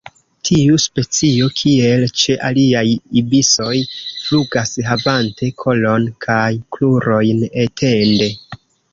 Tiu specio, kiel ĉe aliaj ibisoj, flugas havante kolon kaj krurojn etende.